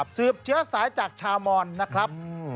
สืบเชื้อสายจากชาวมอนนะครับ